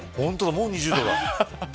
もう２０度だ。